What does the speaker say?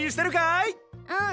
うん。